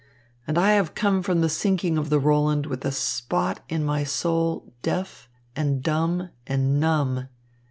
And I have come from the sinking of the Roland with a spot in my soul deaf and dumb and numb.